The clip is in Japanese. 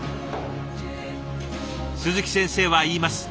鈴木先生は言います。